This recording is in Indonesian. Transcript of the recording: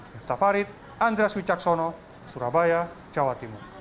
miftah farid andras wicaksono surabaya jawa timur